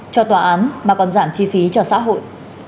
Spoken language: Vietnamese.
cho tòa án mà còn giảm chi phí cho xã hội